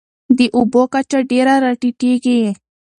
د اوبو کچه ډېره راټیټېږي.